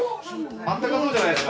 あったかそうじゃないっすか。